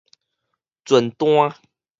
船單